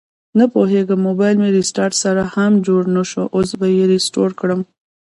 نپوهیږم مبایل مې ریسټارټ سره هم جوړ نشو، اوس به یې ریسټور کړم